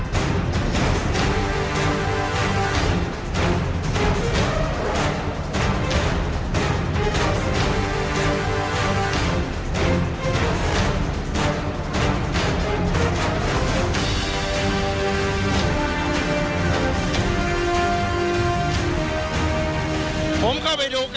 สถานการณ์ข้อมูล